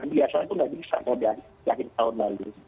yang biasa itu nggak bisa kalau udah laki laki tahun lalu